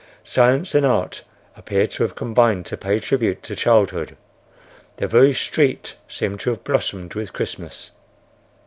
Science and Art appeared to have combined to pay tribute to childhood. The very street seemed to have blossomed with Christmas.